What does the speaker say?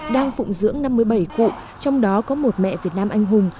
đang phụng dưỡng năm mươi bảy cụ trong đó có một mẹ việt nam anh hùng